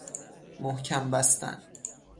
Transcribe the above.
محکم بستن